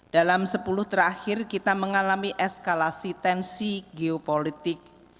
dalam sepuluh terakhir kita mengalami eskalasi tensi geopolitik